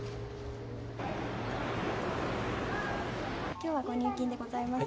今日はご入金でございますか？